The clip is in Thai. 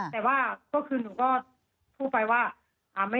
แต่ว่าก็คือหนูก็พูดไปว่า